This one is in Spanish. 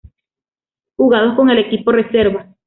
Jugados con el equipo reserva